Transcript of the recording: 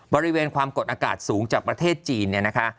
บริเวณความกดอากาศสูงจากประเทศจีนเนี่ยนะคะ